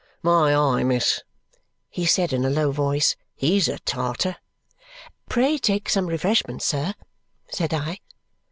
"My eye, miss," he said in a low voice, "he's a Tartar!" "Pray take some refreshment, sir," said I.